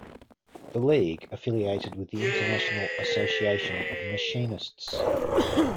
The League affiliated with the International Association of Machinists.